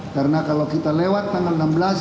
karena kalau kita lewat tanggal enam belas